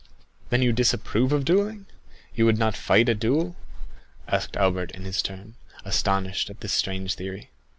"Then you disapprove of duelling? You would not fight a duel?" asked Albert in his turn, astonished at this strange theory.